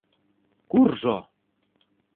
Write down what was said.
Куржо...